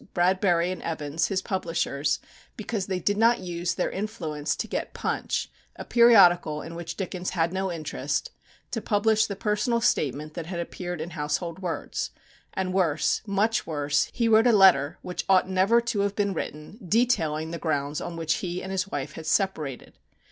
Bradbury and Evans, his publishers, because they did not use their influence to get Punch, a periodical in which Dickens had no interest, to publish the personal statement that had appeared in Household Words; and worse, much worse, he wrote a letter, which ought never to have been written, detailing the grounds on which he and his wife had separated.